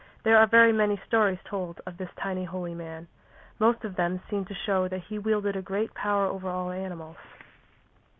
There are very many stories told of this tiny holy man, and most of them seem to show that he wielded a great power over all animals.